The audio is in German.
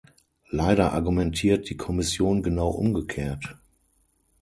Leider argumentiert die Kommission genau umgekehrt.